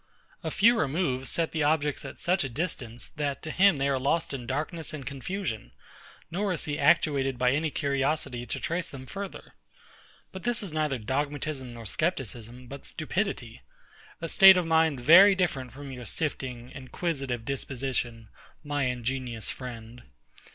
A few removes set the objects at such a distance, that to him they are lost in darkness and confusion; nor is he actuated by any curiosity to trace them further. But this is neither dogmatism nor scepticism, but stupidity: a state of mind very different from your sifting, inquisitive disposition, my ingenious friend.